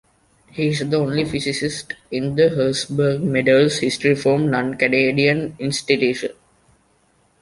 He is the only physicist in the Herzberg Medal's history from a non-Canadian institution.